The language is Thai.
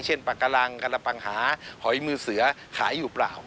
ปากการังกะละปังหาหอยมือเสือขายอยู่เปล่า